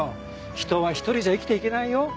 人は一人じゃ生きていけないよ。